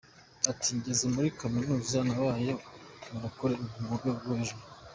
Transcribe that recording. Ati “Ngeze muri kaminuza nabaye umurokore wo mu rwego rwo hejuru.